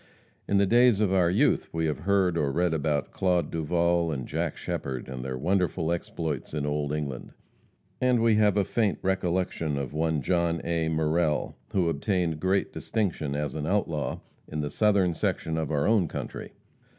In the days of our youth we have heard or read about Claude Duval and Jack Shepherd, and their wonderful exploits in old England; and we have a faint recollection of one John A. Murrell, who obtained great distinction as an outlaw in the Southern section of our own country.